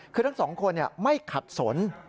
คือทั้งสองคนไม่ขัดสน